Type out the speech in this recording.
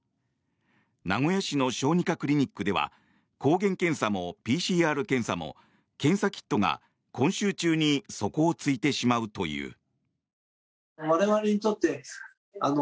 名古屋市の小児科クリニックでは抗原検査もＰＣＲ検査も検査キットが今週中に底を突いてしまうという。